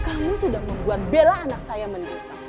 kamu sudah membuat bela anak saya menderita